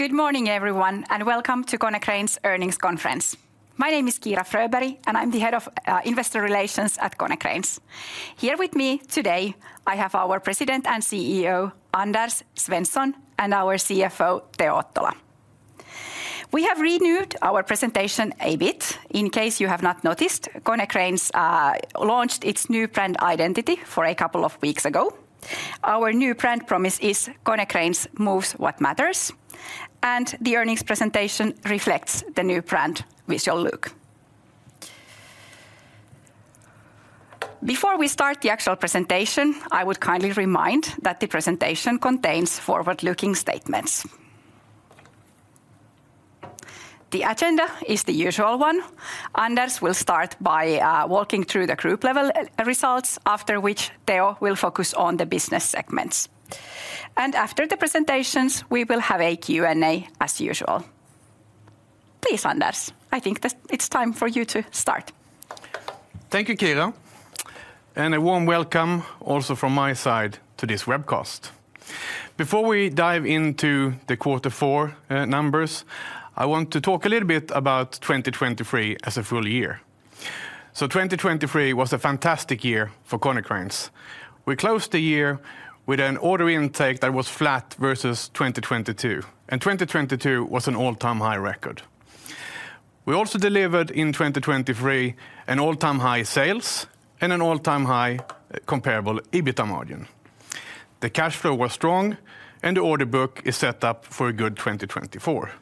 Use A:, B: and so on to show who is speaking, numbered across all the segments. A: Good morning, everyone, and welcome to Konecranes Earnings Conference. My name is Kiira Fröberg, and I'm the Head of Investor Relations at Konecranes. Here with me today, I have our President and CEO, Anders Svensson, and our CFO, Teo Ottola. We have renewed our presentation a bit. In case you have not noticed, Konecranes launched its new brand identity a couple of weeks ago. Our new brand promise is: Konecranes moves what matters, and the earnings presentation reflects the new brand visual look. Before we start the actual presentation, I would kindly remind that the presentation contains forward-looking statements. The agenda is the usual one. Anders will start by walking through the group level results, after which Teo will focus on the business segments. After the presentations, we will have a Q&A as usual. Please, Anders, I think that it's time for you to start.
B: Thank you, Kiira, and a warm welcome also from my side to this webcast. Before we dive into the quarter four numbers, I want to talk a little bit about 2023 as a full year. So 2023 was a fantastic year for Konecranes. We closed the year with an order intake that was flat versus 2022, and 2022 was an all-time high record. We also delivered in 2023 an all-time high sales and an all-time high Comparable EBITA margin. The cash flow was strong, and the order book is set up for a good 2024.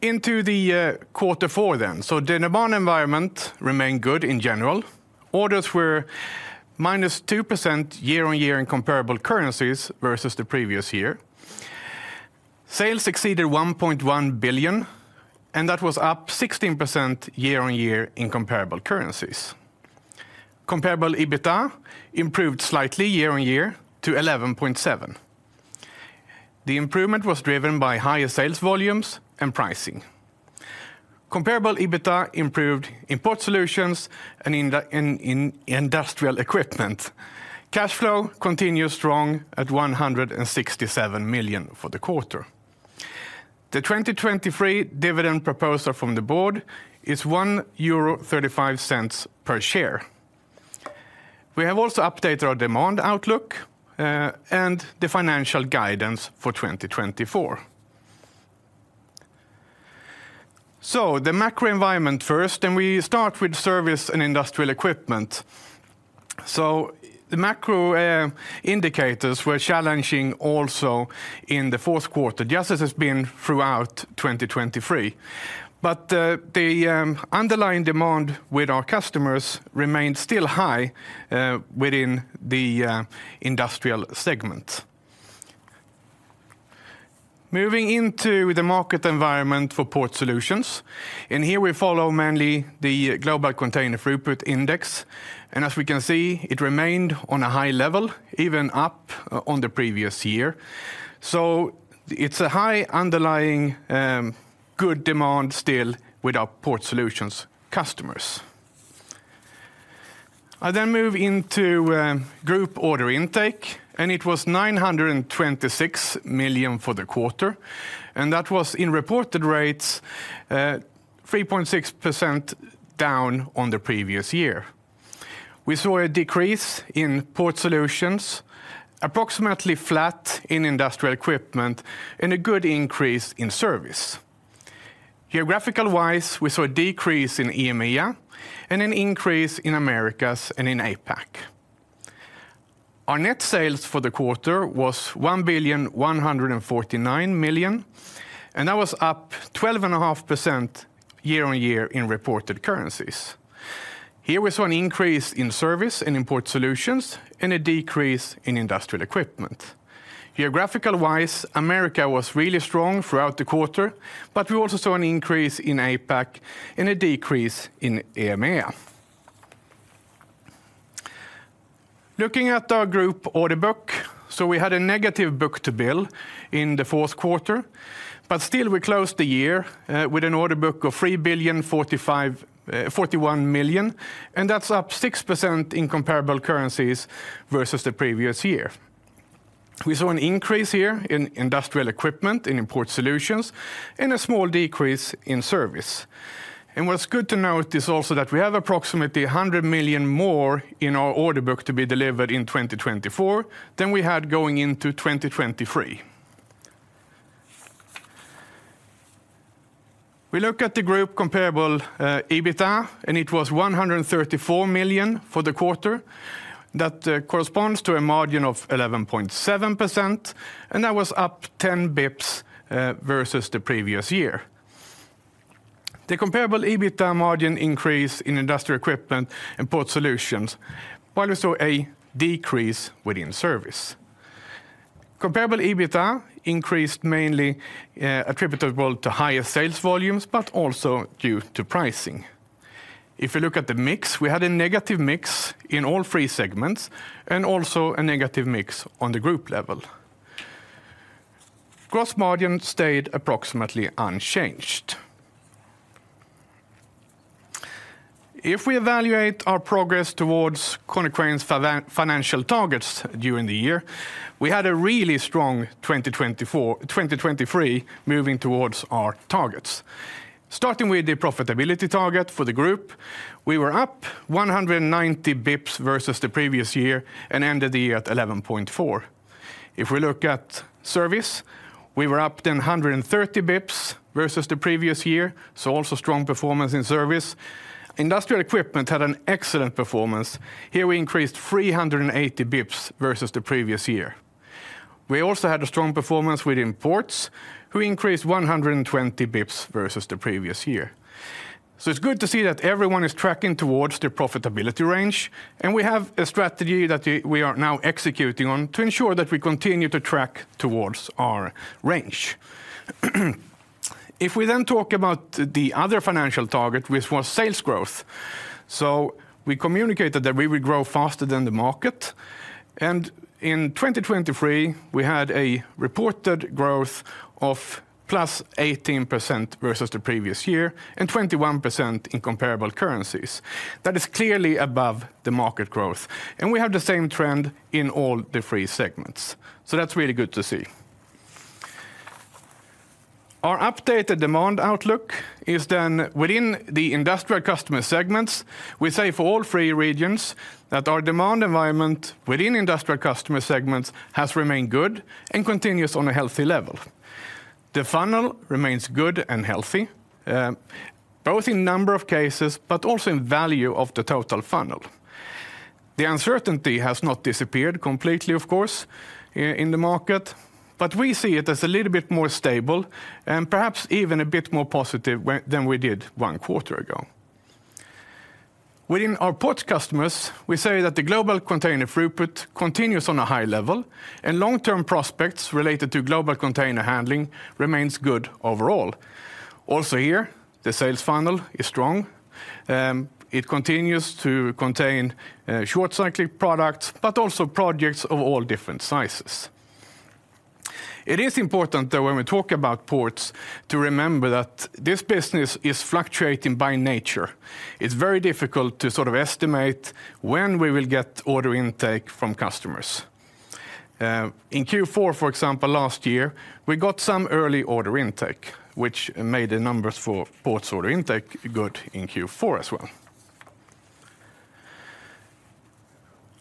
B: Into the quarter four then. So the demand environment remained good in general. Orders were -2% year-on-year in comparable currencies versus the previous year. Sales exceeded 1.1 billion, and that was up 16% year-on-year in comparable currencies. Comparable EBITA improved slightly year-on-year to 11.7. The improvement was driven by higher sales volumes and pricing. Comparable EBITA improved in Port Solutions and in Industrial Equipment. Cash flow continued strong at 167 million for the quarter. The 2023 dividend proposal from the Board is 1.35 euro per share. We have also updated our demand outlook, and the financial guidance for 2024. So the macro environment first, and we start with Service and Industrial Equipment. So the macro indicators were challenging also in the Q4, just as has been throughout 2023. But, the underlying demand with our customers remained still high, within the industrial segment. Moving into the market environment for Port Solutions, and here we follow mainly the Global Container Throughput Index, and as we can see, it remained on a high level, even up on the previous year. So it's a high underlying good demand still with our Port Solutions customers. I then move into group order intake, and it was 926 million for the quarter, and that was in reported rates 3.6% down on the previous year. We saw a decrease in Port Solutions, approximately flat in Industrial Equipment and a good increase in Service. Geographical-wise, we saw a decrease in EMEA and an increase in Americas and in APAC. Our net sales for the quarter was 1,149 million, and that was up 12.5% year-on-year in reported currencies. Here, we saw an increase in Service and in Port Solutions and a decrease in Industrial Equipment. Geographical-wise, Americas was really strong throughout the quarter, but we also saw an increase in APAC and a decrease in EMEA. Looking at our group order book, we had a negative book to bill in the Q4, but still we closed the year with an order book of 3,041 million, and that's up 6% in comparable currencies versus the previous year. We saw an increase here in Industrial Equipment and in Port Solutions and a small decrease in Service. What's good to note is also that we have approximately 100 million more in our order book to be delivered in 2024 than we had going into 2023. We look at the group Comparable EBITA, and it was 134 million for the quarter. That corresponds to a margin of 11.7%, and that was up 10 basis points versus the previous year. The Comparable EBITA margin increased in Industrial Equipment and Port Solutions, while we saw a decrease within Service. Comparable EBITA increased, mainly attributable to higher sales volumes, but also due to pricing. If you look at the mix, we had a negative mix in all three segments and also a negative mix on the group level. Gross margin stayed approximately unchanged. If we evaluate our progress towards Konecranes financial targets during the year, we had a really strong 2024--2023 moving towards our targets. Starting with the profitability target for the group, we were up 190 basis points versus the previous year and ended the year at 11.4. If we look at service, we were up 130 basis points versus the previous year, so also strong performance in service. Industrial Equipment had an excellent performance. Here we increased 380 basis points versus the previous year. We also had a strong performance within ports, we increased 120 basis points versus the previous year. So it's good to see that everyone is tracking towards their profitability range, and we have a strategy that we are now executing on to ensure that we continue to track towards our range. If we then talk about the other financial target, which was sales growth, so we communicated that we would grow faster than the market, and in 2023, we had a reported growth of +18% versus the previous year, and 21% in comparable currencies. That is clearly above the market growth, and we have the same trend in all the three segments, so that's really good to see. Our updated demand outlook is then within the industrial customer segments. We say for all three regions that our demand environment within industrial customer segments has remained good and continues on a healthy level. The funnel remains good and healthy, both in number of cases, but also in value of the total funnel. The uncertainty has not disappeared completely, of course, in the market, but we see it as a little bit more stable and perhaps even a bit more positive than we did one quarter ago. Within our port customers, we say that the global container throughput continues on a high level, and long-term prospects related to global container handling remains good overall. Also here, the sales funnel is strong, it continues to contain short-cyclic products, but also projects of all different sizes. It is important, though, when we talk about ports, to remember that this business is fluctuating by nature. It's very difficult to sort of estimate when we will get order intake from customers. In Q4, for example, last year, we got some early order intake, which made the numbers for port order intake good in Q4 as well.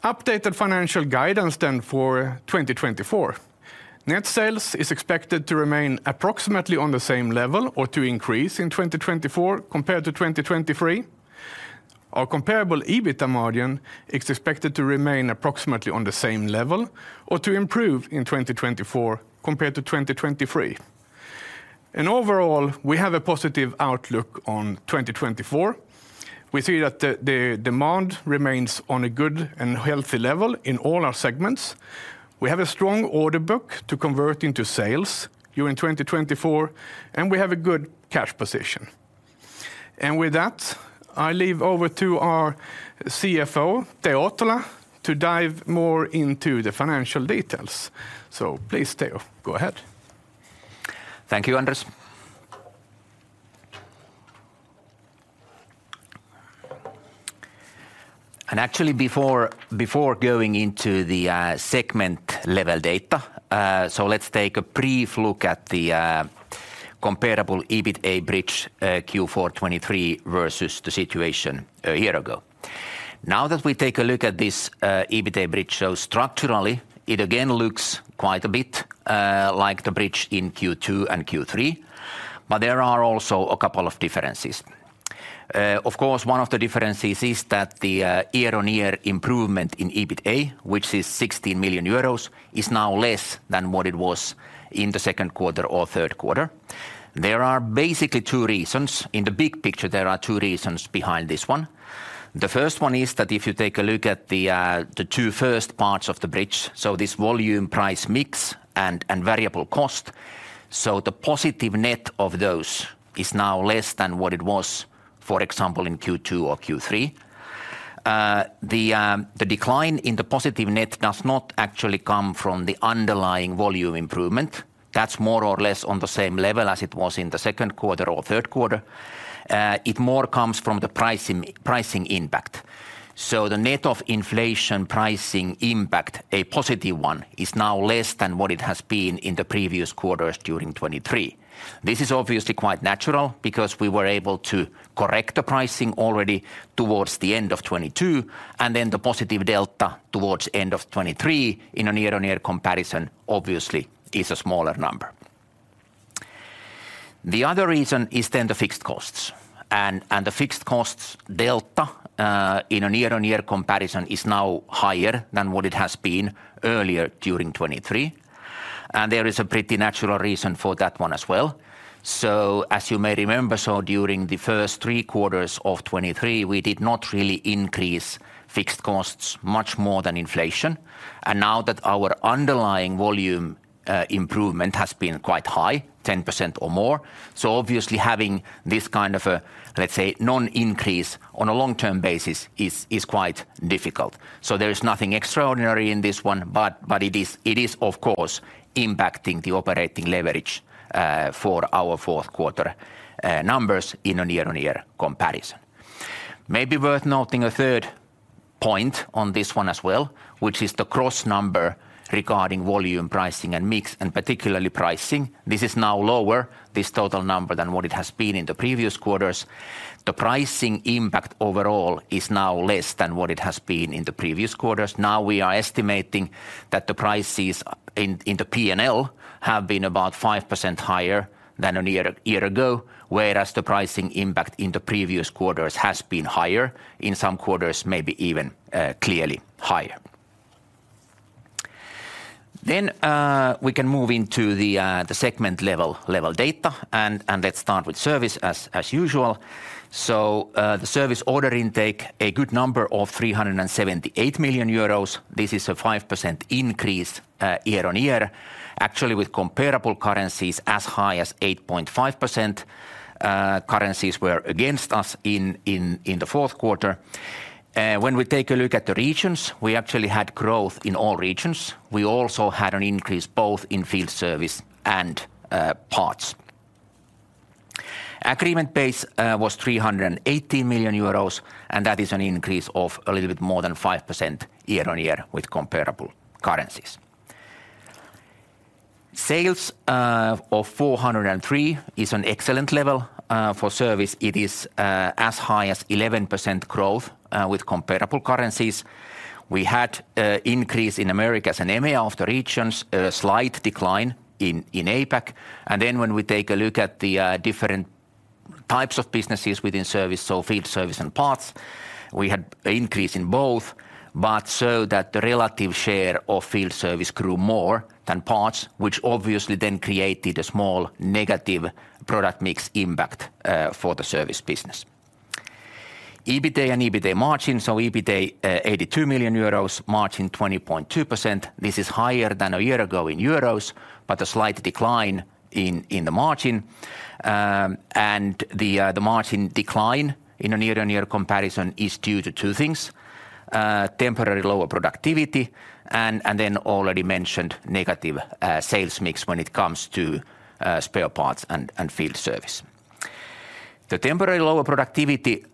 B: Updated financial guidance then for 2024. Net sales is expected to remain approximately on the same level or to increase in 2024 compared to 2023. Our Comparable EBITA margin is expected to remain approximately on the same level or to improve in 2024 compared to 2023. Overall, we have a positive outlook on 2024. We see that the demand remains on a good and healthy level in all our segments. We have a strong order book to convert into sales during 2024, and we have a good cash position. With that, I leave over to our CFO, Teo Ottola, to dive more into the financial details. So please, Teo, go ahead.
C: Thank you, Anders. Actually, before going into the segment-level data, so let's take a brief look at the Comparable EBITA bridge, Q4 2023, versus the situation a year ago. Now that we take a look at this EBITA bridge, so structurally, it again looks quite a bit like the bridge in Q2 and Q3, but there are also a couple of differences. Of course, one of the differences is that the year-on-year improvement in EBITA, which is 16 million euros, is now less than what it was in the Q2 or Q3. There are basically two reasons. In the big picture, there are two reasons behind this one. The first one is that if you take a look at the two first parts of the bridge, so this volume, price, mix, and variable cost, so the positive net of those is now less than what it was, for example, in Q2 or Q3. The decline in the positive net does not actually come from the underlying volume improvement. That's more or less on the same level as it was in the Q2 or Q3. It more comes from the pricing impact. So the net of inflation pricing impact, a positive one, is now less than what it has been in the previous quarters during 2023. This is obviously quite natural because we were able to correct the pricing already towards the end of 2022, and then the positive delta towards end of 2023 in a year-on-year comparison, obviously, is a smaller number. The other reason is then the fixed costs, and, and the fixed costs delta, in a year-on-year comparison is now higher than what it has been earlier during 2023, and there is a pretty natural reason for that one as well. So as you may remember, so during the first three quarters of 2023, we did not really increase fixed costs much more than inflation, and now that our underlying volume, improvement has been quite high, 10% or more, so obviously having this kind of a, let's say, non-increase on a long-term basis is, is quite difficult. So there is nothing extraordinary in this one, but, but it is, it is, of course, impacting the operating leverage for our Q4 numbers in a year-on-year comparison. Maybe worth noting a third point on this one as well, which is the gross number regarding volume, pricing, and mix, and particularly pricing. This is now lower, this total number, than what it has been in the previous quarters. The pricing impact overall is now less than what it has been in the previous quarters. Now we are estimating that the prices in, in the P&L have been about 5% higher than a year, a year ago, whereas the pricing impact in the previous quarters has been higher, in some quarters, maybe even clearly higher. Then, we can move into the segment level data, and let's start with service as usual. So, the Service order intake, a good number of 378 million euros. This is a 5% increase year-on-year. Actually, with comparable currencies as high as 8.5%, currencies were against us in the Q4. When we take a look at the regions, we actually had growth in all regions. We also had an increase both in Field Service and parts. Agreement Base was 380 million euros, and that is an increase of a little bit more than 5% year-on-year with comparable currencies. Sales of 403 million is an excellent level. For service, it is as high as 11% growth with comparable currencies. We had increase in Americas and EMEA of the regions, a slight decline in APAC. And then when we take a look at the different types of businesses within service, so Field Service and Parts, we had an increase in both, but so that the relative share of Field Service grew more than Parts, which obviously then created a small negative product mix impact for the service business. EBITA and EBITA margin, so EBITA 82 million euros, margin 20.2%. This is higher than a year ago in euros, but a slight decline in the margin. The margin decline in a year-on-year comparison is due to two things: temporary lower productivity and then already mentioned, negative sales mix when it comes to spare parts and Field Service. The temporary lower productivity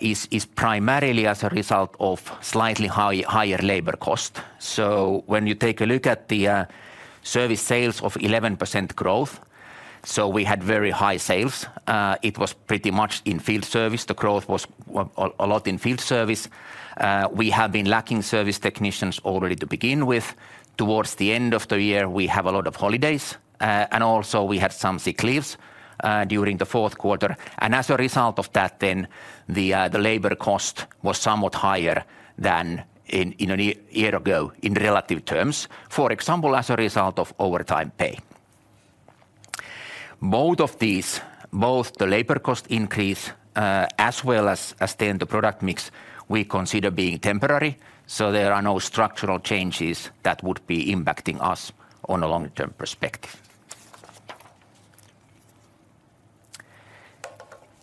C: is primarily as a result of slightly higher labor cost. So when you take a look at the Service sales of 11% growth, so we had very high sales. It was pretty much in Field Service. The growth was a lot in Field Service. We have been lacking service technicians already to begin with. Towards the end of the year, we have a lot of holidays, and also we had some sick leaves during the Q4. As a result of that then, the labor cost was somewhat higher than in a year ago, in relative terms. For example, as a result of overtime pay. Both of these, the labor cost increase, as well as then the product mix, we consider being temporary, so there are no structural changes that would be impacting us on a long-term perspective.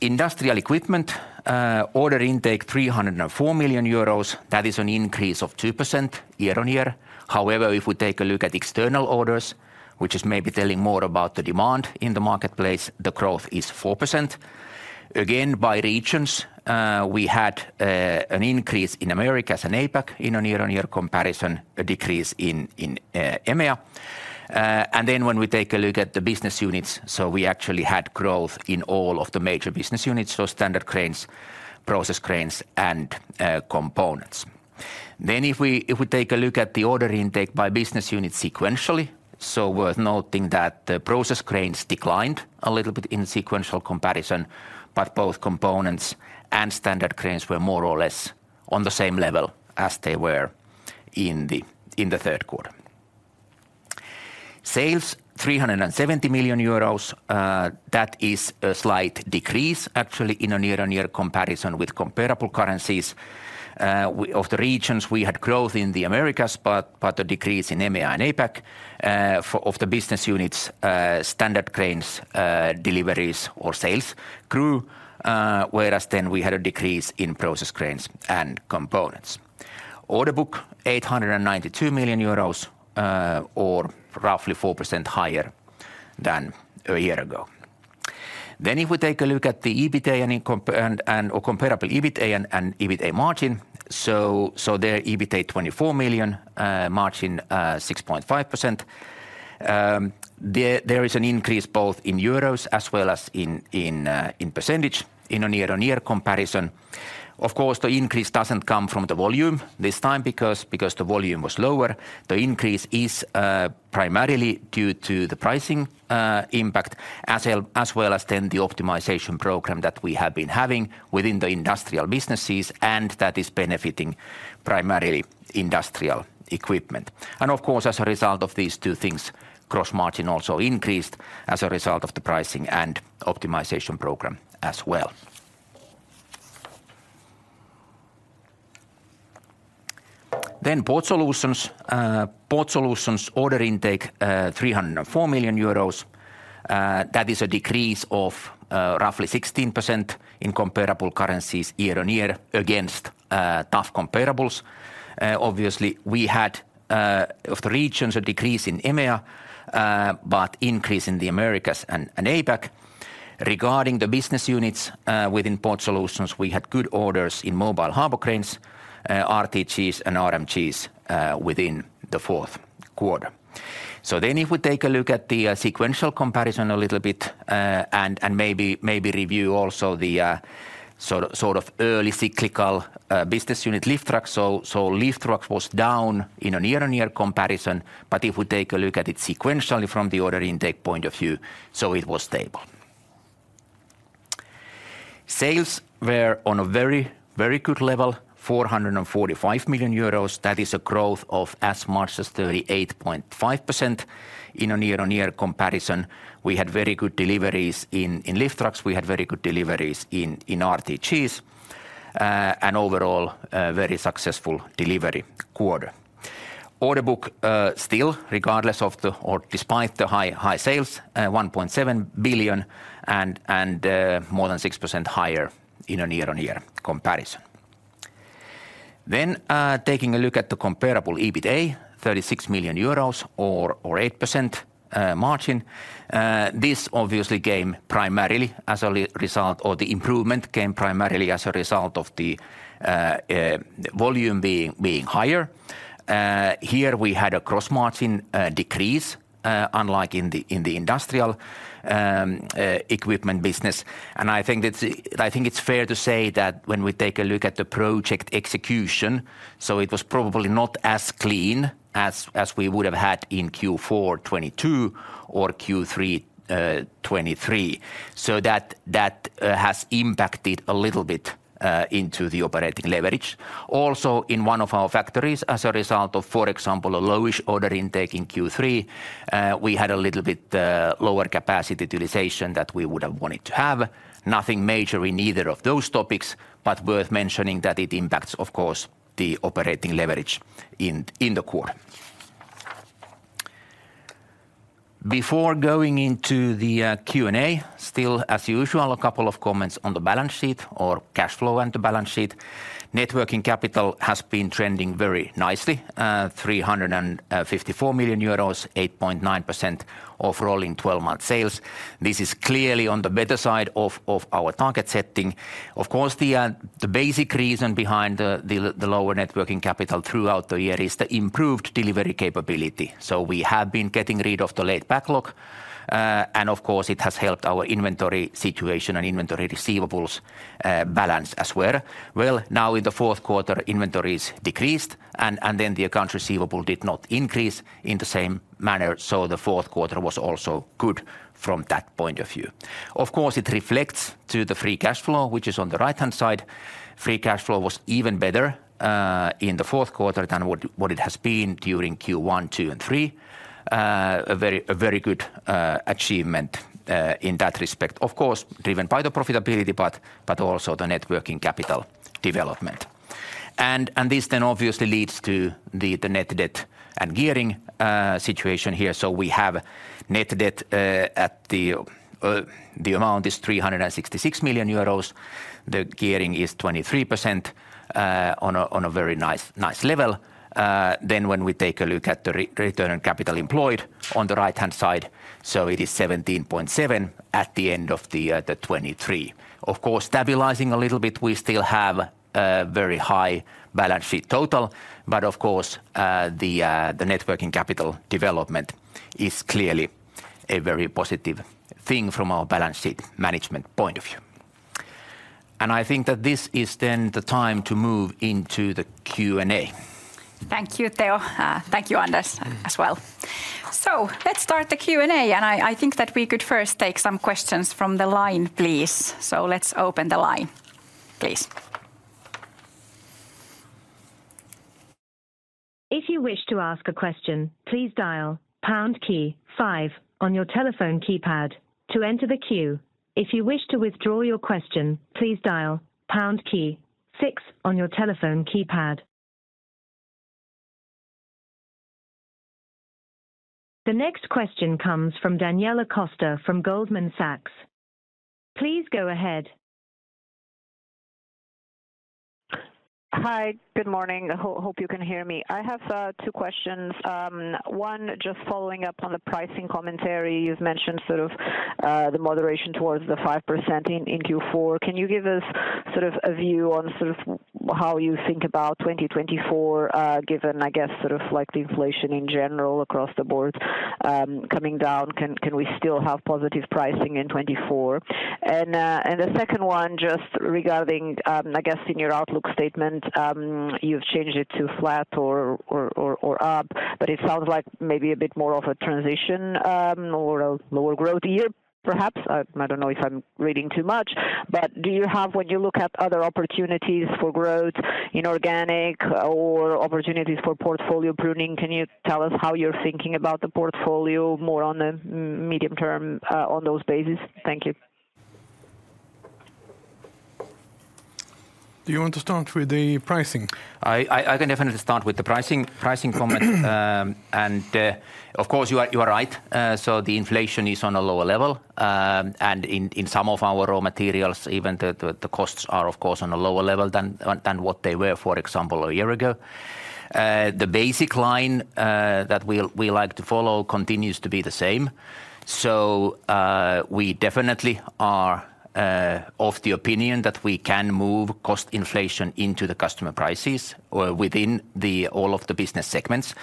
C: Industrial Equipment order intake 304 million euros, that is an increase of 2% year-on-year. However, if we take a look at external orders, which is maybe telling more about the demand in the marketplace, the growth is 4%. Again, by regions, we had an increase in Americas and APAC in a year-on-year comparison, a decrease in EMEA. and then when we take a look at the business units, so we actually had growth in all of the major business units, so Standard Cranes, Process Cranes, and Components. Then if we take a look at the order intake by business unit sequentially, so worth noting that the Process Cranes declined a little bit in sequential comparison, but both Components and Standard Cranes were more or less on the same level as they were in the Q3. Sales, 370 million euros, that is a slight decrease, actually, in a year-on-year comparison with comparable currencies. Of the regions, we had growth in the Americas, but a decrease in EMEA and APAC. For... Of the business units, Standard Cranes deliveries or sales grew, whereas we had a decrease in Process Cranes and Components. Order book, 892 million euros, or roughly 4% higher than a year ago. Then if we take a look at the EBITA and comparable EBITA and EBITA margin, so their EBITA 24 million, margin 6.5%. There is an increase both in euros as well as in percentage in a year-on-year comparison. Of course, the increase doesn't come from the volume this time because the volume was lower. The increase is primarily due to the pricing impact, as well as the optimization program that we have been having within the industrial businesses, and that is benefiting primarily Industrial Equipment. And of course, as a result of these two things, gross margin also increased as a result of the pricing and optimization program as well. Then Port Solutions. Port Solutions order intake, 304 million euros, that is a decrease of roughly 16% in comparable currencies year-on-year against tough comparables. Obviously, we had of the regions, a decrease in EMEA, but increase in the Americas and APAC. Regarding the business units within Port Solutions, we had good orders in Mobile Harbor Cranes, RTGs, and RMGs within the Q4. So then if we take a look at the sequential comparison a little bit, and maybe review also the sort of early cyclical business unit Lift Trucks. Lift Trucks was down in a year-on-year comparison, but if we take a look at it sequentially from the order intake point of view, so it was stable. Sales were on a very, very good level, 445 million euros. That is a growth of as much as 38.5% in a year-on-year comparison. We had very good deliveries in Lift Trucks. We had very good deliveries in RTGs and overall, a very successful delivery quarter. Order Book, still, despite the high, high sales, 1.7 billion and more than 6% higher in a year-on-year comparison. Then, taking a look at the Comparable EBITA, 36 million euros or 8% margin. This obviously came primarily as a result—or the improvement came primarily as a result of the volume being higher. Here we had a gross margin decrease, unlike in the Industrial Equipment business. And I think it's fair to say that when we take a look at the project execution, so it was probably not as clean as we would have had in Q4 2022 or Q3 2023. So that has impacted a little bit into the operating leverage. Also, in one of our factories, as a result of, for example, a low-ish order intake in Q3, we had a little bit lower capacity utilization that we would have wanted to have. Nothing major in either of those topics, but worth mentioning that it impacts, of course, the operating leverage in the quarter. Before going into the Q&A, still, as usual, a couple of comments on the balance sheet or cash flow and the balance sheet. Net working capital has been trending very nicely, 354 million euros, 8.9% of rolling twelve-month sales. This is clearly on the better side of our target setting. Of course, the basic reason behind the lower net working capital throughout the year is the improved delivery capability. So we have been getting rid of the late backlog, and of course, it has helped our inventory situation and inventory receivables balance as well. Well, now in the Q4, inventories decreased, and then the accounts receivable did not increase in the same manner, so the Q4 was also good from that point of view. Of course, it reflects to the Free Cash Flow, which is on the right-hand side. Free Cash Flow was even better in the Q4 than what it has been during Q1, 2, and 3. A very good achievement in that respect. Of course, driven by the profitability, but also the Net Working Capital development. And this then obviously leads to the Net Debt and Gearing situation here. So we have Net Debt at the amount is 366 million euros. The Gearing is 23% on a very nice level. then when we take a look at the Return on Capital Employed on the right-hand side, so it is 17.7 at the end of the 2023. Of course, stabilizing a little bit, we still have a very high balance sheet total, but of course, the net working capital development is clearly a very positive thing from our balance sheet management point of view. I think that this is then the time to move into the Q&A.
A: Thank you, Teo. Thank you, Anders, as well. Let's start the Q&A, and I think that we could first take some questions from the line, please. Let's open the line, please.
D: If you wish to ask a question, please dial pound key five on your telephone keypad to enter the queue. If you wish to withdraw your question, please dial pound key six on your telephone keypad. The next question comes from Daniela Costa from Goldman Sachs. Please go ahead.
E: Hi, good morning. Hope you can hear me. I have two questions. One, just following up on the pricing commentary. You've mentioned sort of the moderation towards the 5% in Q4. Can you give us sort of a view on sort of how you think about 2024, given, I guess, sort of like the inflation in general across the Board coming down? Can we still have positive pricing in 2024? And the second one, just regarding, I guess in your outlook statement, you've changed it to flat or up, but it sounds like maybe a bit more of a transition or a lower growth year, perhaps. I don't know if I'm reading too much. But do you have... When you look at other opportunities for growth in organic or opportunities for portfolio pruning, can you tell us how you're thinking about the portfolio more on the medium term, on those bases? Thank you.
C: Do you want to start with the pricing? I can definitely start with the pricing comment. And, of course, you are right. So the inflation is on a lower level. And in some of our raw materials, even the costs are, of course, on a lower level than what they were, for example, a year ago. The basic line that we like to follow continues to be the same. So, we definitely are of the opinion that we can move cost inflation into the customer prices or within all of the business segments.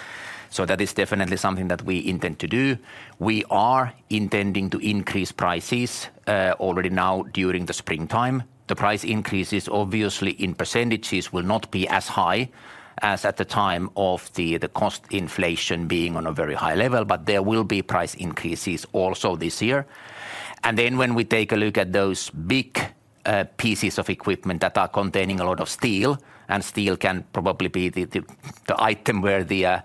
C: So that is definitely something that we intend to do. We are intending to increase prices already now during the springtime. The price increases, obviously, in percentages will not be as high as at the time of the cost inflation being on a very high level, but there will be price increases also this year. And then when we take a look at those big pieces of equipment that are containing a lot of steel, and steel can probably be the item where the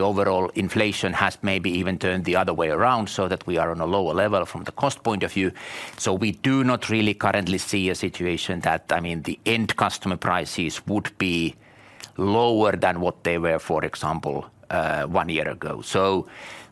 C: overall inflation has maybe even turned the other way around, so that we are on a lower level from the cost point of view. So we do not really currently see a situation that, I mean, the end customer prices would be lower than what they were, for example, one year ago. So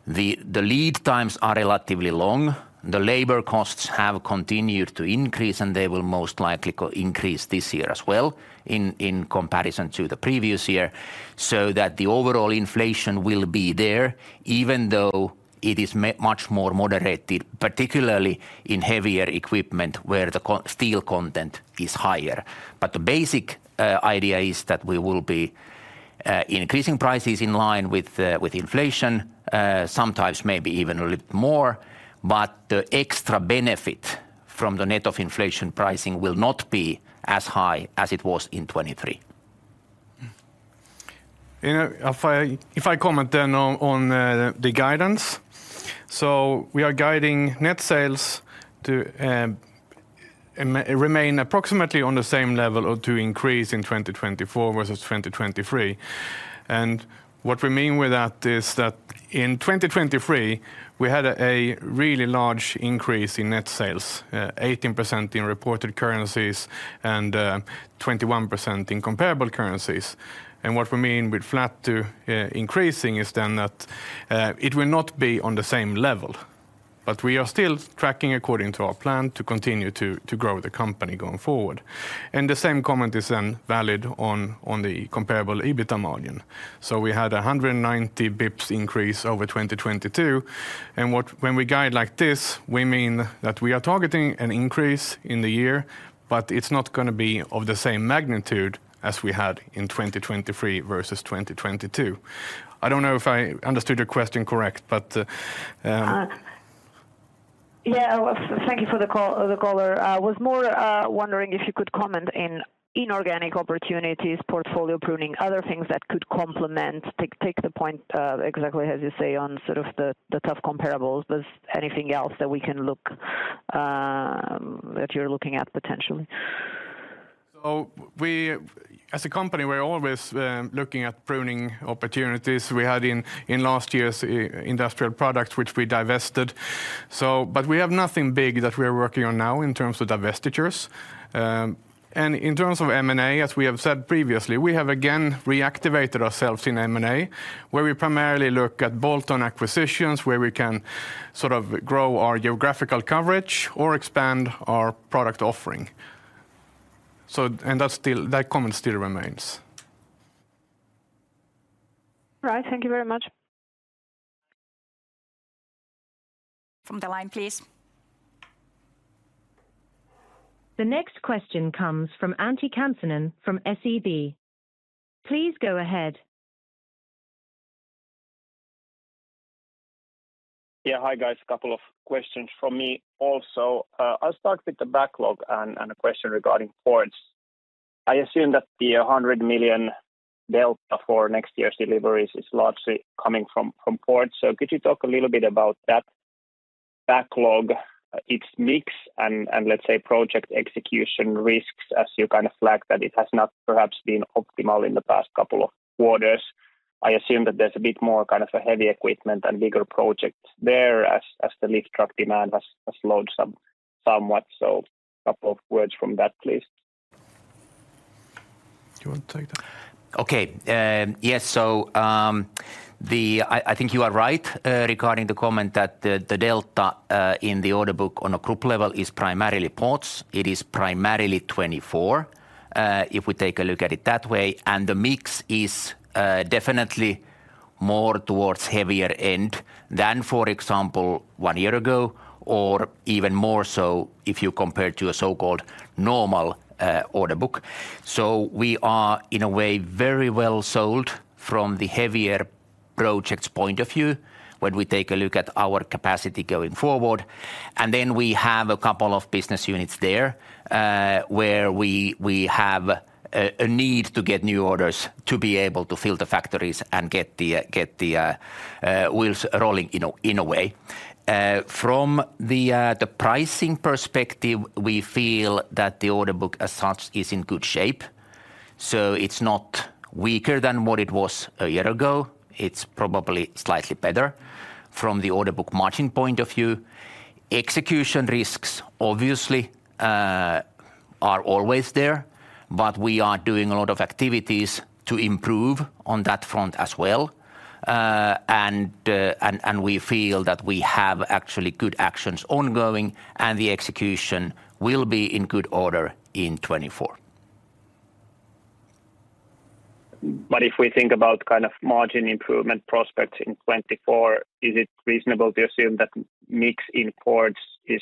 C: the lead times are relatively long. The labor costs have continued to increase, and they will most likely continue to increase this year as well in comparison to the previous year, so that the overall inflation will be there, even though it is much more moderated, particularly in heavier equipment, where the steel content is higher. But the basic idea is that we will be increasing prices in line with the inflation, sometimes maybe even a little more, but the extra benefit from the net of inflation pricing will not be as high as it was in 2023.
B: You know, if I comment then on the guidance. We are guiding net sales to remain approximately on the same level or to increase in 2024 versus 2023. What we mean with that is that in 2023, we had a really large increase in net sales, 18% in reported currencies and 21% in comparable currencies. What we mean with flat to increasing is then that it will not be on the same level. But we are still tracking according to our plan to continue to grow the company going forward. The same comment is then valid on the comparable EBITA margin. So we had a 190 basis points increase over 2022, and what—when we guide like this, we mean that we are targeting an increase in the year, but it's not gonna be of the same magnitude as we had in 2023 versus 2022. I don't know if I understood your question correct, but.
E: Yeah, well, thank you for the call, the caller. I was more wondering if you could comment in inorganic opportunities, portfolio pruning, other things that could complement... Take the point exactly as you say, on sort of the tough comparables. There's anything else that we can look that you're looking at potentially?
B: So we, as a company, we're always looking at pruning opportunities. We had in last year's industrial products, which we divested. But we have nothing big that we are working on now in terms of divestitures. And in terms of M&A, as we have said previously, we have again reactivated ourselves in M&A, where we primarily look at bolt-on acquisitions, where we can sort of grow our geographical coverage or expand our product offering. So, and that's still, that comment still remains.
E: Right. Thank you very much.
F: From the line, please.
D: The next question comes from Antti Kansanen from SEB. Please go ahead.
G: Yeah. Hi, guys. A couple of questions from me also. I'll start with the backlog and a question regarding ports. I assume that the 100 million delta for next year's deliveries is largely coming from ports. So could you talk a little bit about that backlog, its mix, and let's say, project execution risks, as you kind of flag that it has not perhaps been optimal in the past couple of quarters? I assume that there's a bit more kind of a heavy equipment and bigger projects there as the Lift Trucks demand has slowed somewhat. So a couple of words from that, please.
B: Do you want to take that?
C: Okay, yes. So, I think you are right regarding the comment that the delta in the order book on a group level is primarily Ports. It is primarily 24, if we take a look at it that way, and the mix is definitely more towards heavier end than, for example, one year ago, or even more so if we compare to a so-called normal order book. So we are, in a way, very well sold from the heavier projects point of view when we take a look at our capacity going forward. And then we have a couple of business units there, where we have a need to get new orders to be able to fill the factories and get the wheels rolling in a way. From the pricing perspective, we feel that the order book as such is in good shape, so it's not weaker than what it was a year ago. It's probably slightly better from the order book margin point of view. Execution risks, obviously, are always there, but we are doing a lot of activities to improve on that front as well. And we feel that we have actually good actions ongoing, and the execution will be in good order in 2024....
G: But if we think about kind of margin improvement prospects in 2024, is it reasonable to assume that mix in ports is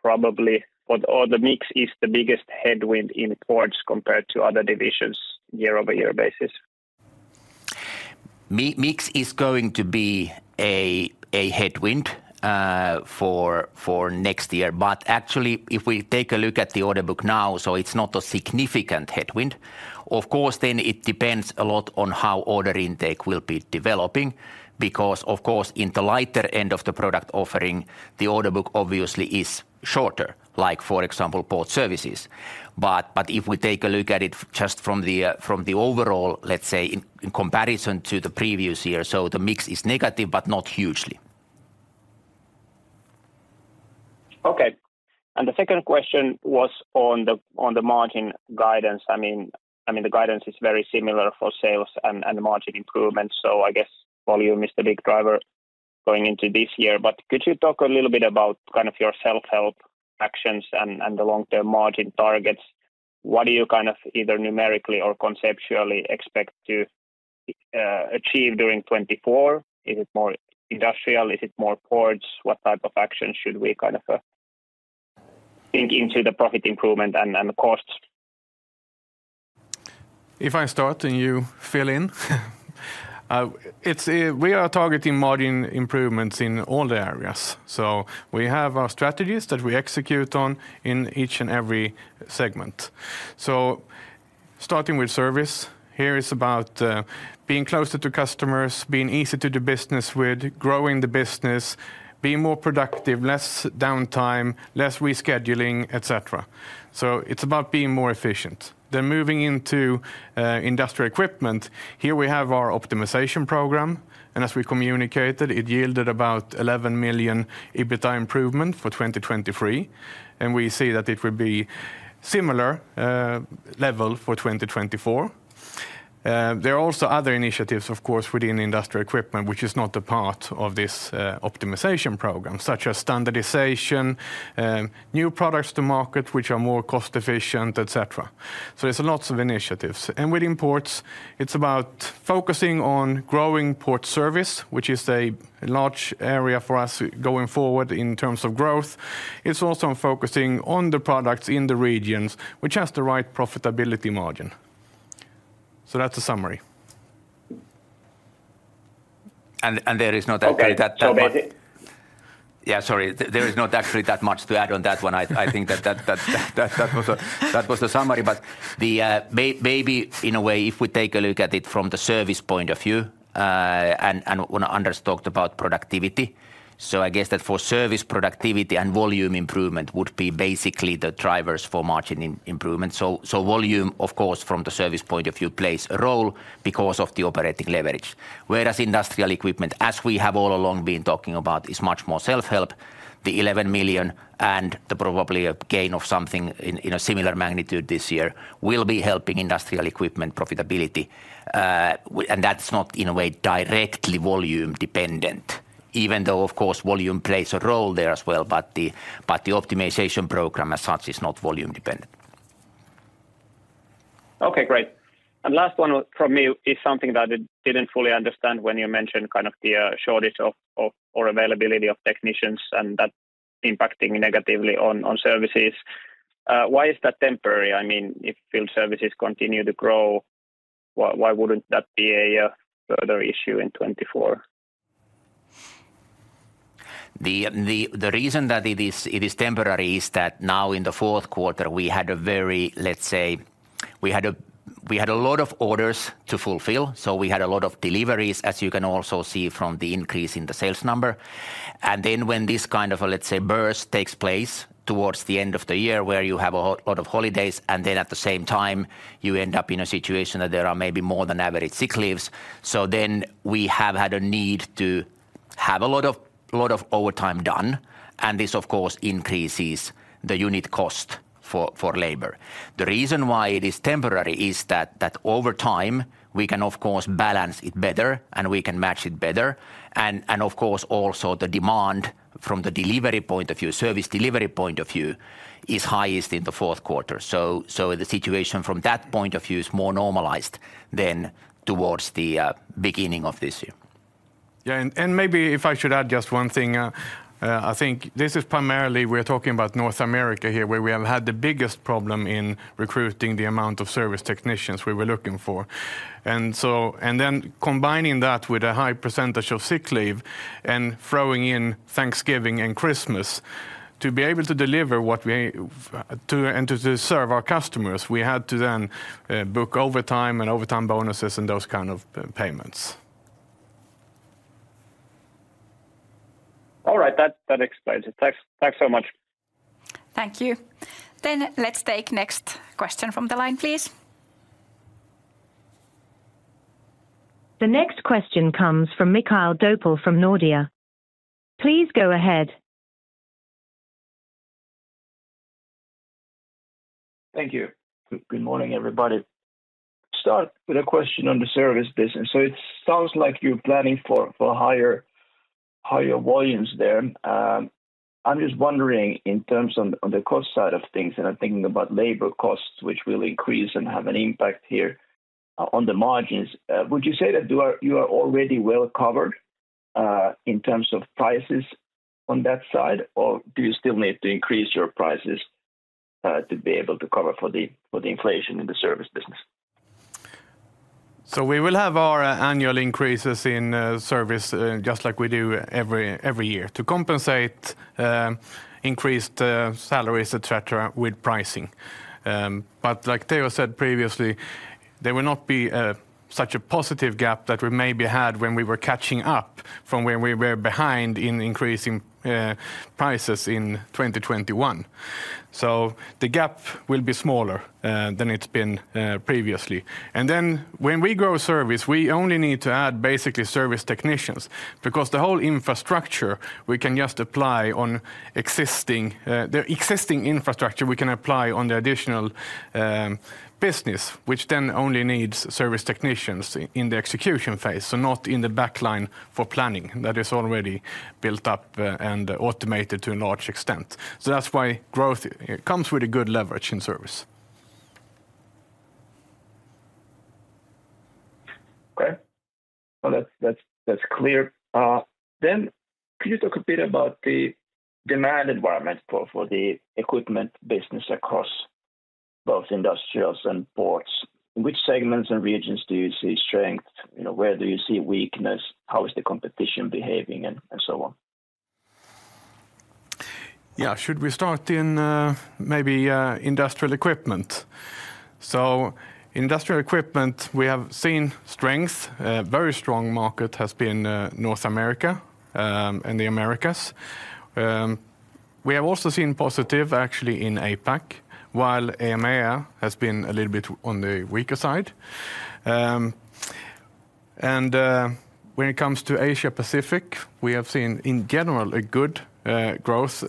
G: probably – or, or the mix is the biggest headwind in ports compared to other divisions year-over-year basis?
C: Mix is going to be a headwind for next year. But actually, if we take a look at the order book now, so it's not a significant headwind. Of course, then it depends a lot on how order intake will be developing, because of course, in the lighter end of the product offering, the order book obviously is shorter, like for example, Port Services. But if we take a look at it just from the overall, let's say, in comparison to the previous year, so the mix is negative, but not hugely.
G: Okay. And the second question was on the margin guidance. I mean, the guidance is very similar for sales and margin improvements, so I guess volume is the big driver going into this year. But could you talk a little bit about kind of your self-help actions and the long-term margin targets? What do you kind of either numerically or conceptually expect to achieve during 2024? Is it more industrial? Is it more ports? What type of actions should we kind of think into the profit improvement and the costs?
B: If I start, and you fill in. We are targeting margin improvements in all the areas, so we have our strategies that we execute on in each and every segment. So starting with service, here is about being closer to customers, being easy to do business with, growing the business, being more productive, less downtime, less rescheduling, et cetera. So it's about being more efficient. Then moving into Industrial Equipment, here we have our optimization program, and as we communicated, it yielded about 11 million EBITA improvement for 2023, and we see that it will be similar level for 2024. There are also other initiatives, of course, within Industrial Equipment, which is not a part of this optimization program, such as standardization, new products to market which are more cost efficient, et cetera. So there's lots of initiatives. Within ports, it's about focusing on growing Port Service, which is a large area for us going forward in terms of growth. It's also focusing on the products in the regions, which has the right profitability margin. That's a summary.
C: there is not actually that much-
G: Okay, so maybe-
C: Yeah, sorry. There is not actually that much to add on that one. I think that that was the summary. But maybe in a way, if we take a look at it from the service point of view, and when Anders talked about productivity, so I guess that for service, productivity, and volume improvement would be basically the drivers for margin improvement. So volume, of course, from the service point of view, plays a role because of the operating leverage. Whereas Industrial Equipment, as we have all along been talking about, is much more self-help. The 11 million and the probably a gain of something in a similar magnitude this year, will be helping Industrial Equipment profitability. And that's not in a way, directly volume dependent, even though, of course, volume plays a role there as well. But the optimization program as such, is not volume dependent.
G: Okay, great. And last one from me is something that I didn't fully understand when you mentioned kind of the shortage of, or availability of technicians, and that impacting negatively on services. Why is that temporary? I mean, if Field Services continue to grow, why wouldn't that be a further issue in 2024?
C: The reason that it is temporary is that now in the Q4, we had, let's say, a lot of orders to fulfill, so we had a lot of deliveries, as you can also see from the increase in the sales number. And then when this kind of, let's say, burst takes place towards the end of the year, where you have a lot of holidays, and then at the same time you end up in a situation that there are maybe more than average sick leaves. So then we have had a need to have a lot of overtime done, and this, of course, increases the unit cost for labor. The reason why it is temporary is that over time, we can of course balance it better, and we can match it better. And, of course, also the demand from the delivery point of view, service delivery point of view, is highest in the Q4. So, the situation from that point of view is more normalized than towards the beginning of this year.
B: Yeah, and maybe if I should add just one thing, I think this is primarily we're talking about North America here, where we have had the biggest problem in recruiting the amount of service technicians we were looking for. And so, then combining that with a high percentage of sick leave and throwing in Thanksgiving and Christmas, to be able to deliver what we... To, and to serve our customers, we had to then book overtime and overtime bonuses and those kind of payments.
G: All right, that, that explains it. Thanks. Thanks so much.
A: Thank you. Then let's take next question from the line, please.
D: The next question comes from Mikael Doepel from Nordea. Please go ahead.
H: Thank you. Good morning, everybody. Start with a question on the service business. So it sounds like you're planning for higher volumes there. I'm just wondering, in terms of the cost side of things, and I'm thinking about labor costs, which will increase and have an impact here on the margins. Would you say that you are already well covered in terms of prices on that side? Or do you still need to increase your prices to be able to cover for the inflation in the service business?
B: So we will have our annual increases in service, just like we do every year to compensate increased salaries, et cetera, with pricing. But like Teo said previously, there will not be such a positive gap that we maybe had when we were catching up from where we were behind in increasing prices in 2021. So the gap will be smaller than it's been previously. And then when we grow service, we only need to add basically service technicians, because the whole infrastructure, we can just apply on existing... The existing infrastructure we can apply on the additional business, which then only needs service technicians in the execution phase, so not in the back line for planning. That is already built up and automated to a large extent. That's why growth, it comes with a good leverage in service.
H: Okay. Well, that's clear. Then could you talk a bit about the demand environment for the equipment business across both industrials and ports? In which segments and regions do you see strength? You know, where do you see weakness? How is the competition behaving, and so on?
B: Yeah. Should we start in, maybe, Industrial Equipment? So Industrial Equipment, we have seen strength. A very strong market has been, North America, and the Americas. We have also seen positive actually in APAC, while EMEA has been a little bit on the weaker side. And, when it comes to Asia Pacific, we have seen, in general, a good, growth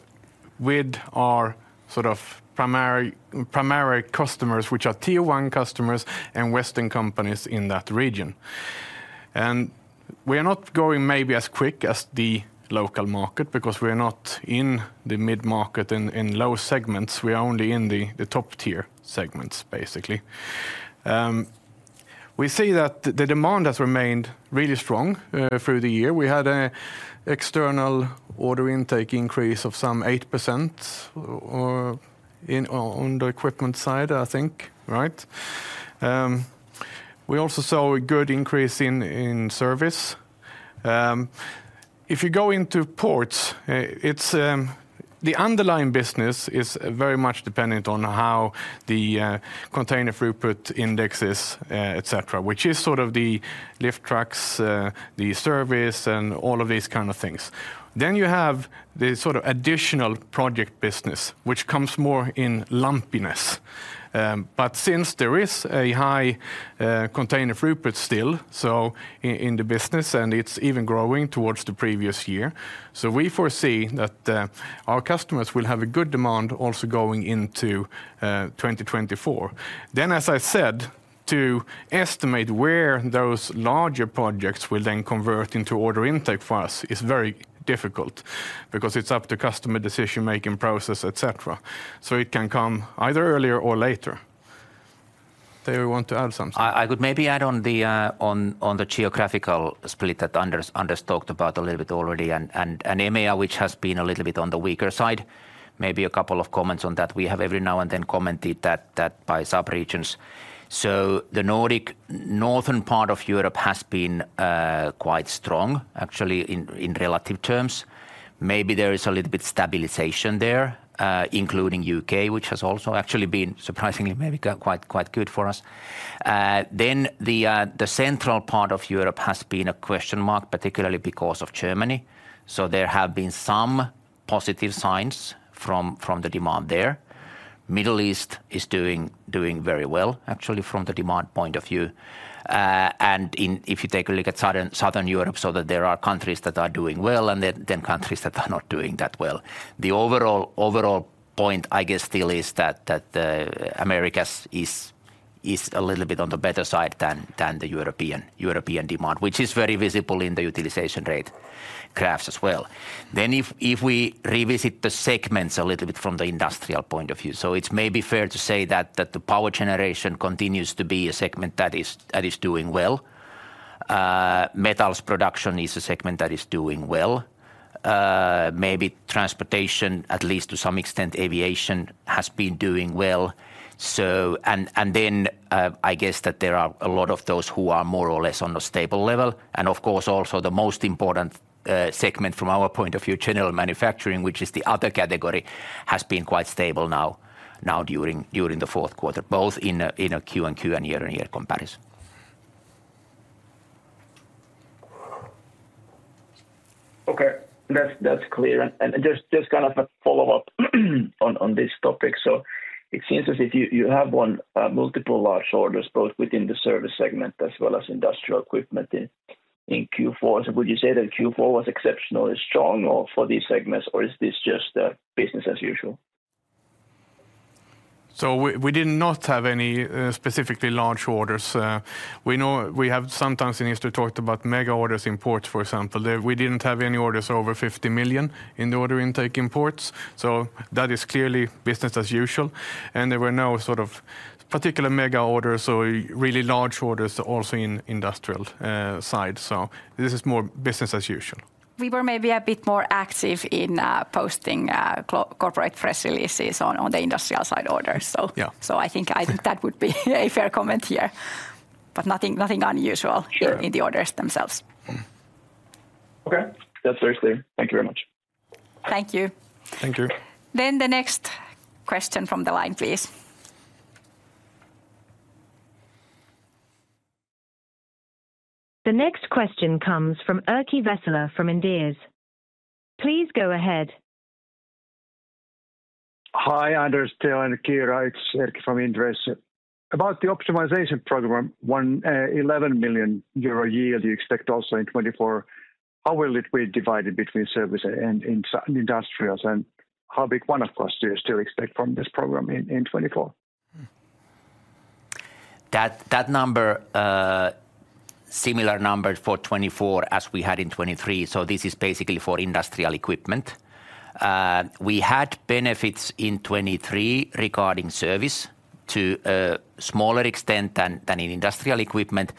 B: with our sort of primary, primary customers, which are tier one customers and Western companies in that region. And we are not going maybe as quick as the local market, because we are not in the mid-market, in low segments. We are only in the top-tier segments, basically. We see that the demand has remained really strong, through the year. We had a external order intake increase of some 8%, on the equipment side, I think, right? We also saw a good increase in service. If you go into ports, it's the underlying business is very much dependent on how the container throughput index is, et cetera, which is sort of the Lift Trucks, the service, and all of these kind of things. Then you have the sort of additional project business, which comes more in lumpiness. But since there is a high container throughput still, so in the business, and it's even growing towards the previous year, so we foresee that our customers will have a good demand also going into 2024. As I said, to estimate where those larger projects will then convert into order intake for us is very difficult, because it's up to customer decision-making process, et cetera. It can come either earlier or later. Teo, you want to add something?
C: I could maybe add on the geographical split that Anders talked about a little bit already, and EMEA, which has been a little bit on the weaker side. Maybe a couple of comments on that. We have every now and then commented that by sub-regions. So the Nordic, northern part of Europe has been quite strong, actually, in relative terms. Maybe there is a little bit stabilization there, including UK, which has also actually been surprisingly, maybe quite good for us. Then the central part of Europe has been a question mark, particularly because of Germany, so there have been some positive signs from the demand there. Middle East is doing very well, actually, from the demand point of view. If you take a look at Southern Europe, so that there are countries that are doing well and then countries that are not doing that well. The overall point, I guess, still is that Americas is a little bit on the better side than the European demand, which is very visible in the utilization rate graphs as well. Then if we revisit the segments a little bit from the industrial point of view, so it's maybe fair to say that the power generation continues to be a segment that is doing well. Metals production is a segment that is doing well. Maybe transportation, at least to some extent, aviation, has been doing well. So, I guess that there are a lot of those who are more or less on a stable level. And of course, also the most important segment from our point of view, general manufacturing, which is the other category, has been quite stable now during the Q4, both in a Q-on-Q and year-on-year comparison.
H: Okay. That's clear, and just kind of a follow-up on this topic. So it seems as if you have won multiple large orders, both within the service segment as well as Industrial Equipment in Q4. So would you say that Q4 was exceptionally strong for these segments, or is this just business as usual?...
B: So we did not have any specifically large orders. We know we have sometimes in history talked about mega orders in ports, for example. We didn't have any orders over 50 million in the order intake in ports, so that is clearly business as usual. And there were no sort of particular mega orders or really large orders also in industrial side. So this is more business as usual.
A: We were maybe a bit more active in posting corporate press releases on the industrial side orders. So-
B: Yeah.
A: So I think, I think that would be a fair comment here. But nothing, nothing unusual-
B: Sure...
A: in the orders themselves.
F: Okay, that's very clear. Thank you very much.
A: Thank you.
B: Thank you.
A: Then the next question from the line, please.
D: The next question comes from Erkki Vesola from Inderes. Please go ahead.
I: Hi, Anders, Teo and Kiira. It's Erkki from Inderes. About the optimization program, 11 million euro a year, you expect also in 2024. How will it be divided between service and industrials, and how big one-off costs do you still expect from this program in 2024?
C: That, that number, similar number for 2024 as we had in 2023, so this is basically for Industrial Equipment. We had benefits in 2023 regarding service to a smaller extent than in Industrial Equipment,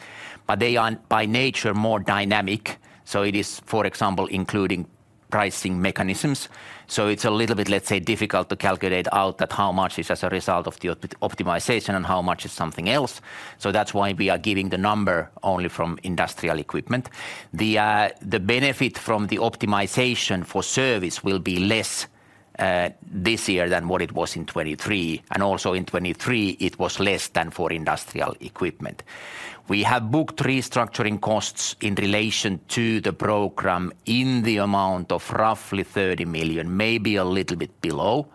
C: but they are by nature more dynamic, so it is, for example, including pricing mechanisms. So it's a little bit, let's say, difficult to calculate out how much is as a result of the optimization and how much is something else, so that's why we are giving the number only from Industrial Equipment. The benefit from the optimization for service will be less this year than what it was in 2023, and also in 2023, it was less than for Industrial Equipment. We have booked restructuring costs in relation to the program in the amount of roughly 30 million, maybe a little bit below,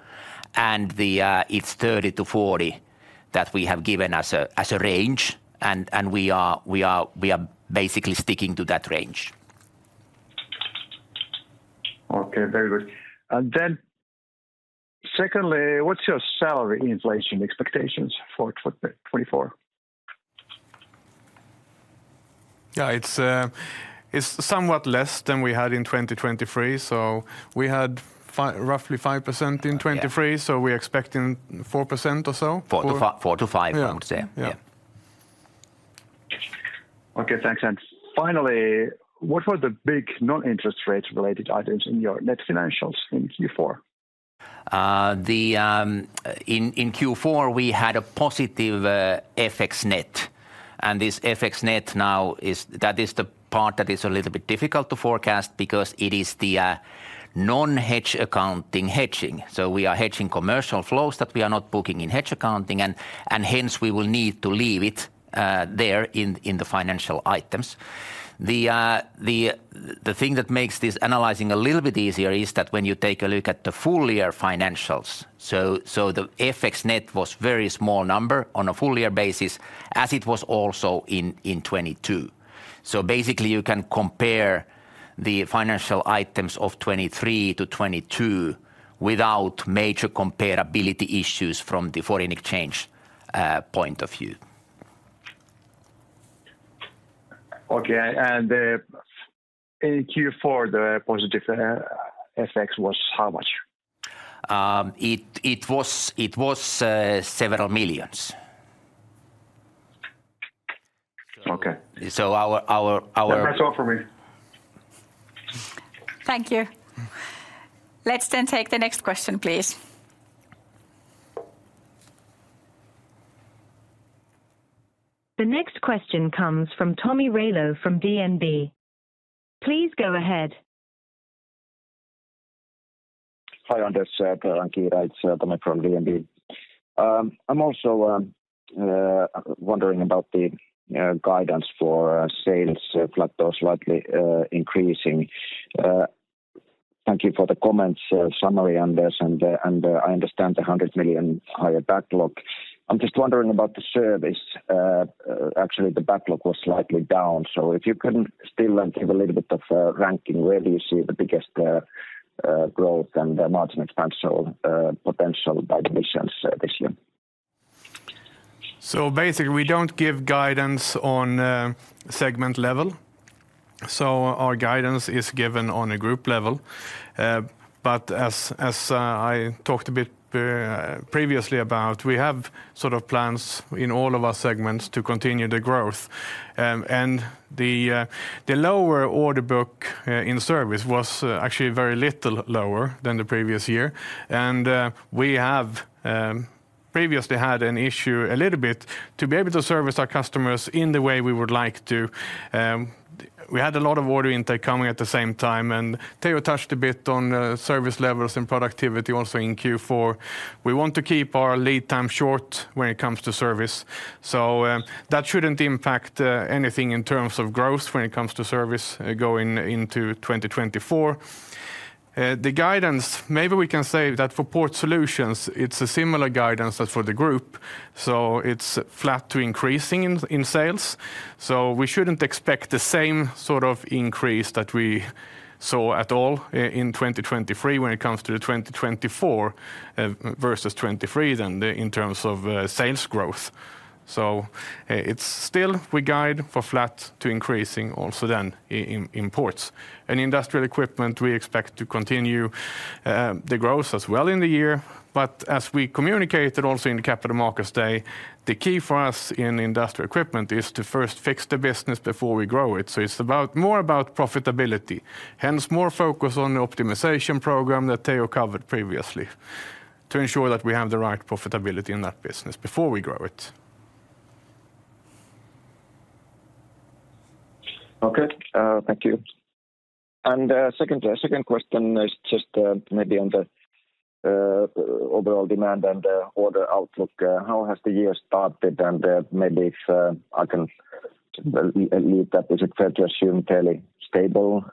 C: and it's 30-40 that we have given as a range, and we are basically sticking to that range.
I: Okay, very good. And then secondly, what's your salary inflation expectations for 2024?
B: Yeah, it's somewhat less than we had in 2023, so we had roughly 5% in 2023-
C: Yeah.
B: - so we're expecting 4% or so.
C: 4-5
B: Yeah...
C: I would say.
B: Yeah.
C: Yeah.
I: Okay, thanks. And finally, what were the big non-interest rates related items in your net financials in Q4?
C: In Q4, we had a positive FX net, and this FX net now is—that is the part that is a little bit difficult to forecast because it is the non-hedge accounting hedging. So we are hedging commercial flows that we are not booking in hedge accounting, and hence, we will need to leave it there in the financial items. The thing that makes this analyzing a little bit easier is that when you take a look at the full year financials, the FX net was very small number on a full year basis, as it was also in 2022. So basically, you can compare the financial items of 2023 to 2022 without major comparability issues from the foreign exchange point of view.
I: Okay, and, in Q4, the positive FX was how much?
C: It was several million EUR.
I: Okay.
C: So our
I: That's all for me.
A: Thank you. Let's then take the next question, please.
D: The next question comes from Tomi Railo from DNB. Please go ahead.
F: Hi, Anders, and Kiira. It's Tomi from DNB. I'm also wondering about the guidance for sales flat or slightly increasing. Thank you for the comments summary, Anders, and I understand the 100 million higher backlog. I'm just wondering about the service. Actually, the backlog was slightly down, so if you can still give a little bit of a ranking, where do you see the biggest growth and the margin expansion potential by divisions this year?
B: So basically, we don't give guidance on segment level, so our guidance is given on a group level. But as I talked a bit previously about, we have sort of plans in all of our segments to continue the growth. And the lower order book in service was actually very little lower than the previous year. And we have previously had an issue a little bit to be able to service our customers in the way we would like to. We had a lot of order intake coming at the same time, and Teo touched a bit on service levels and productivity also in Q4. We want to keep our lead time short when it comes to service, so that shouldn't impact anything in terms of growth when it comes to service going into 2024. The guidance, maybe we can say that for Port Solutions, it's a similar guidance as for the group. So it's flat to increasing in sales. So we shouldn't expect the same sort of increase that we saw at all in 2023 when it comes to the 2024 versus 2023 in terms of sales growth. So it's still we guide for flat to increasing also then in ports. And Industrial Equipment, we expect to continue the growth as well in the year. As we communicated also in the Capital Markets Day, the key for us in Industrial Equipment is to first fix the business before we grow it. It's about, more about profitability, hence, more focus on the optimization program that Teo covered previously, to ensure that we have the right profitability in that business before we grow it.
F: Okay, thank you. And second question is just maybe on the overall demand and order outlook. How has the year started? And maybe if I can leave that, is it fair to assume fairly stable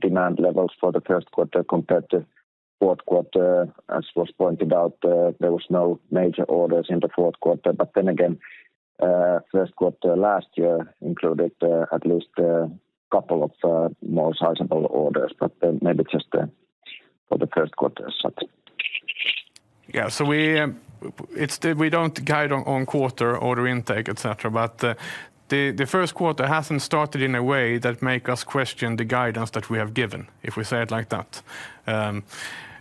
F: demand levels for the Q1 compared to Q4? As was pointed out, there was no major orders in the Q4, but then again, Q1 last year included at least a couple of more sizable orders, but then maybe just for the Q1, so.
B: Yeah. So we, it's still we don't guide on quarter order intake, et cetera, but the Q1 hasn't started in a way that make us question the guidance that we have given, if we say it like that.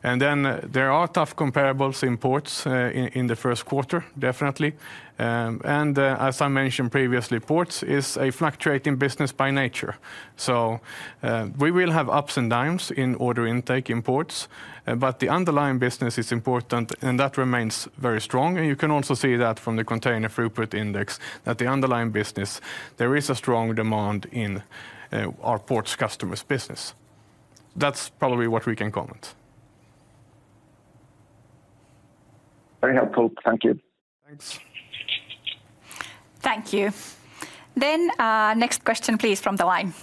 B: And then there are tough comparables in ports in the Q1, definitely. And as I mentioned previously, ports is a fluctuating business by nature. So we will have ups and downs in order intake in ports, but the underlying business is important, and that remains very strong. And you can also see that from the container throughput index, that the underlying business, there is a strong demand in our ports customers' business. That's probably what we can comment.
F: Very helpful. Thank you.
B: Thanks.
A: Thank you. Then, next question, please, from the line.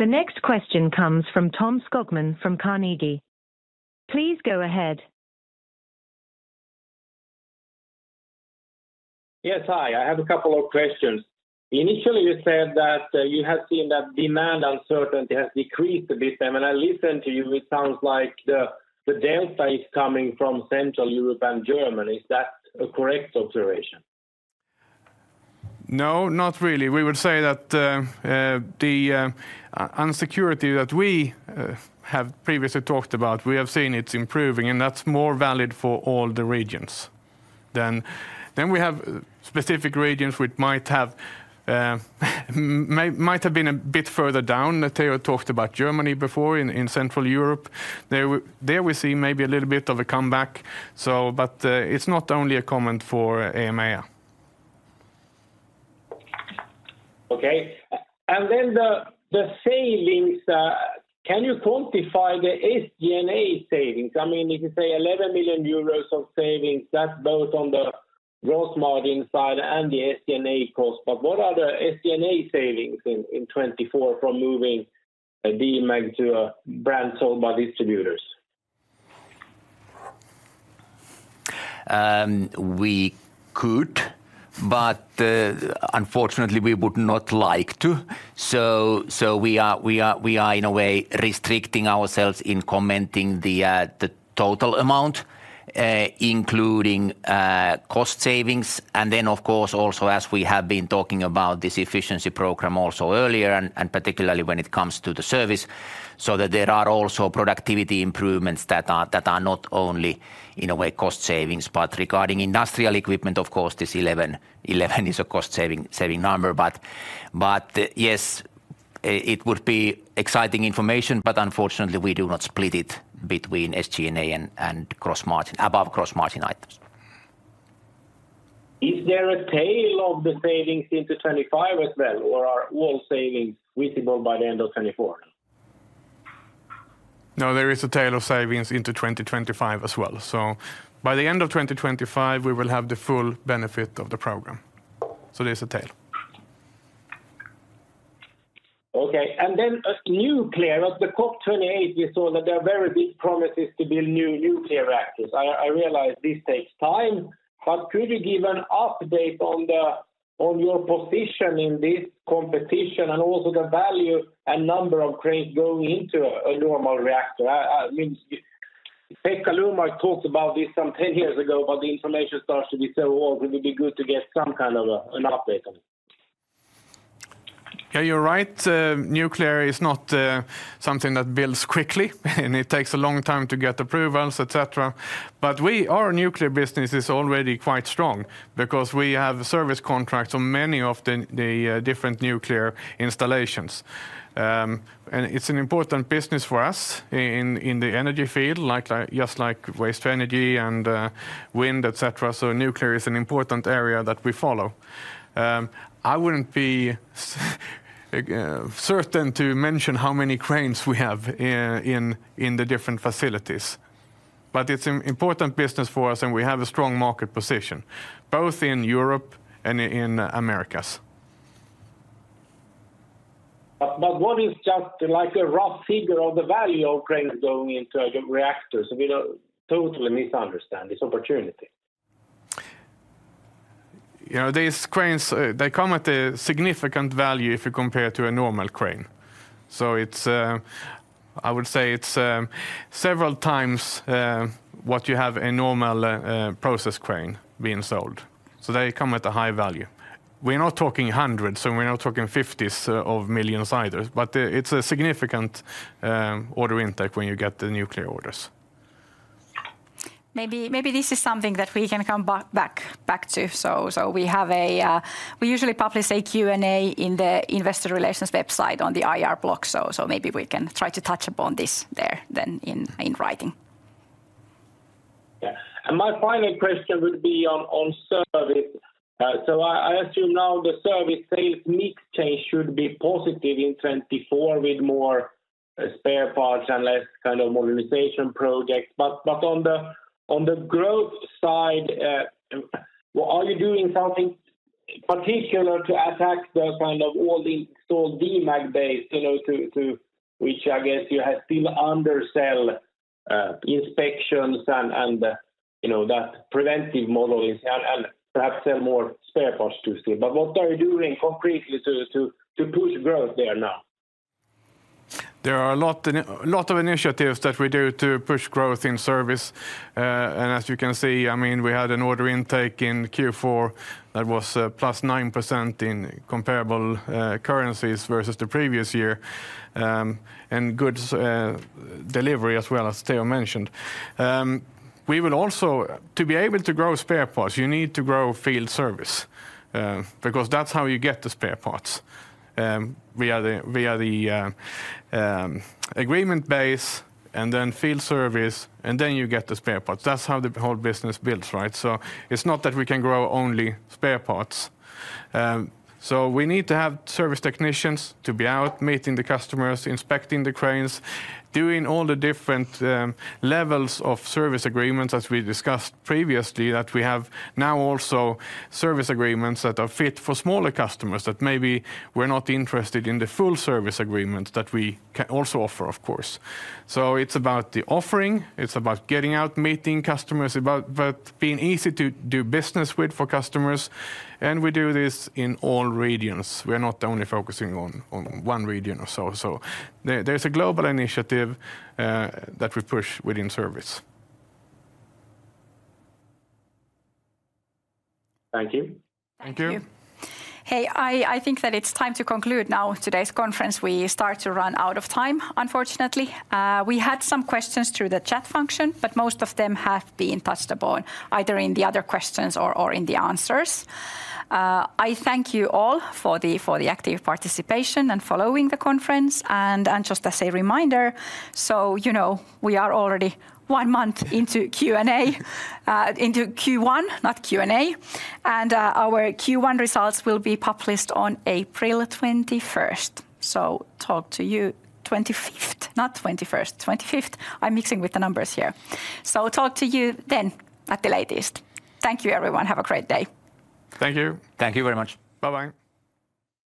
D: The next question comes from Tom Skogman from Carnegie. Please go ahead.
J: Yes, hi. I have a couple of questions. Initially, you said that you have seen that demand uncertainty has decreased a bit, and when I listen to you, it sounds like the delta is coming from Central Europe and Germany. Is that a correct observation?
B: No, not really. We would say that the uncertainty that we have previously talked about, we have seen it's improving, and that's more valid for all the regions. Then we have specific regions which might have been a bit further down, that Teo talked about Germany before in Central Europe. There we see maybe a little bit of a comeback, so but, it's not only a comment for EMEA.
J: Okay. And then the savings, can you quantify the SG&A savings? I mean, if you say 11 million euros of savings, that's both on the gross margin side and the SG&A cost, but what are the SG&A savings in 2024 from moving Demag to a brand sold by distributors?
C: We could, but unfortunately, we would not like to. So we are, in a way, restricting ourselves in commenting the total amount, including cost savings. And then, of course, also, as we have been talking about this efficiency program also earlier, and particularly when it comes to the service, so that there are also productivity improvements that are not only, in a way, cost savings. But regarding Industrial Equipment, of course, this 11 is a cost saving number. But yes, it would be exciting information, but unfortunately, we do not split it between SG&A and gross margin, above gross margin items.
J: Is there a tail of the savings into 2025 as well, or are all savings visible by the end of 2024?
B: No, there is a tail of savings into 2025 as well. So by the end of 2025, we will have the full benefit of the program. So there's a tail.
J: Okay. And then, nuclear, at the COP 28, we saw that there are very big promises to build new nuclear reactors. I realize this takes time, but could you give an update on your position in this competition and also the value and number of cranes going into a normal reactor? I mean, Pekka Lundmark talked about this some 10 years ago, but the information starts to be so old, it would be good to get some kind of an update on it.
B: Yeah, you're right. Nuclear is not something that builds quickly, and it takes a long time to get approvals, et cetera. But our nuclear business is already quite strong because we have service contracts on many of the different nuclear installations. And it's an important business for us in the energy field, like just like waste-to-energy and wind, et cetera. So nuclear is an important area that we follow. I wouldn't be certain to mention how many cranes we have in the different facilities, but it's an important business for us, and we have a strong market position, both in Europe and in Americas.
J: ...But, but what is just like a rough figure of the value of cranes going into reactors? We don't totally misunderstand this opportunity.
B: You know, these cranes, they come at a significant value if you compare to a normal crane. So it's, I would say it's, several times, what you have a normal, process crane being sold. So they come at a high value. We're not talking hundreds, and we're not talking fifties, of millions either, but, it's a significant, order intake when you get the nuclear orders.
A: Maybe this is something that we can come back to. So we have. We usually publish a Q&A in the investor relations website on the IR blog, so maybe we can try to touch upon this there then in writing.
J: Yeah. And my final question would be on service. So I assume now the Service sales mix change should be positive in 2024, with more spare parts and less kind of modernization projects. But on the growth side, well, are you doing something particular to attack the kind of all the installed Demag base, you know, to which I guess you have still undersell inspections and you know that preventive model is and perhaps sell more spare parts to see? But what are you doing concretely to push growth there now?
B: There are a lot of initiatives that we do to push growth in service. And as you can see, I mean, we had an order intake in Q4 that was +9% in comparable currencies versus the previous year, and good delivery, as well, as Teo mentioned. We will also. To be able to grow spare parts, you need to grow Field Service, because that's how you get the spare parts via the agreement base, and then Field Service, and then you get the spare parts. That's how the whole business builds, right? So it's not that we can grow only spare parts. So we need to have service technicians to be out, meeting the customers, inspecting the cranes, doing all the different levels of service agreements, as we discussed previously, that we have now also service agreements that are fit for smaller customers, that maybe were not interested in the full service agreement that we can also offer, of course. So it's about the offering, it's about getting out, meeting customers, about but being easy to do business with for customers, and we do this in all regions. We are not only focusing on one region or so. So there, there's a global initiative that we push within service.
J: Thank you.
B: Thank you.
A: Thank you. Hey, I think that it's time to conclude now today's conference. We start to run out of time, unfortunately. We had some questions through the chat function, but most of them have been touched upon, either in the other questions or in the answers. I thank you all for the active participation and following the conference. Just as a reminder, you know, we are already one month into Q1, not Q&A, and our Q1 results will be published on April 21st. So talk to you... 25th, not 21st. 25th. I'm mixing with the numbers here. So talk to you then, at the latest. Thank you, everyone. Have a great day.
B: Thank you.
G: Thank you very much. Bye-bye.